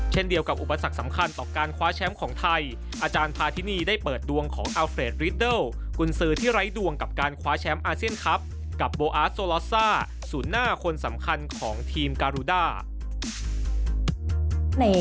เดียวกับอุปสรรคสำคัญต่อการคว้าแชมป์ของไทยอาจารย์พาทินีได้เปิดดวงของอัลเฟรดริดเดิลกุญสือที่ไร้ดวงกับการคว้าแชมป์อาเซียนครับกับโบอาร์ตโซลอสซ่าศูนย์หน้าคนสำคัญของทีมการุด้า